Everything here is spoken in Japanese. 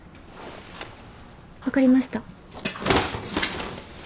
分かりました。